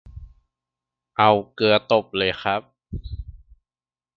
เอาเกลือตบต่อเลยครับ